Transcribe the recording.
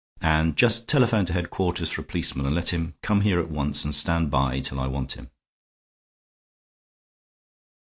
And just telephone to headquarters for a policeman, and let him come here at once and stand by till I want him."